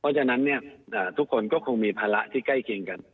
เพราะฉะนั้นทุกคนก็คงมีภาระที่ใกล้เคียงกัน